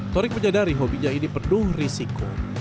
torik menyadari hobinya ini penuh risiko